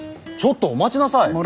ちょっとお待ちなさい。